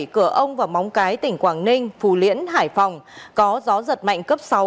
cửa ông và móng cái tỉnh quảng ninh phù liễn hải phòng có gió giật mạnh cấp sáu